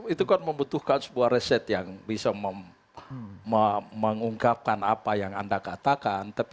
itu kan membutuhkan sebuah reset yang bisa mengungkapkan apa yang anda katakan